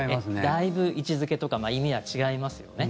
だいぶ位置付けとか意味は違いますよね。